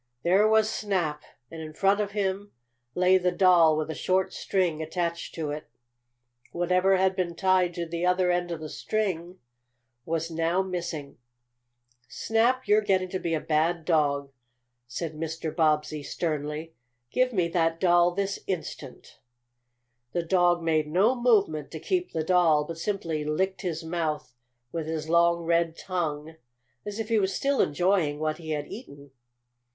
There was Snap, and in front of him lay the doll with a short string attached to it. Whatever had been tied to the other end of the string was now missing. "Snap, you're getting to be a bad dog!" said Mr. Bobbsey sternly. "Give me that doll this instant!" The dog made no movement to keep the doll, but simply licked his mouth with his long, red tongue, as if he was still enjoying what he had eaten.